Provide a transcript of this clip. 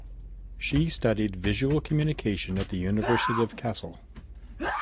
She studied Visual Communication at the University of Kassel.